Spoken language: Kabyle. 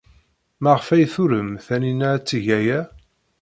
Maɣef ay turem Taninna ad teg aya?